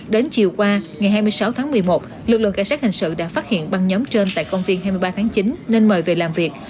đến chiều qua ngày hai mươi sáu tháng một mươi một lực lượng cảnh sát hình sự đã phát hiện băng nhóm trên tại công viên hai mươi ba tháng chín nên mời về làm việc